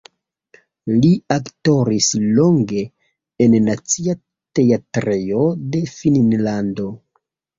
Li aktoris longe en nacia teatrejo de Finnlando.